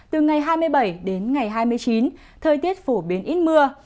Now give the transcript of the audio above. từ ngày hai mươi bảy đến ngày hai mươi chín thời tiết phổ biến ít mưa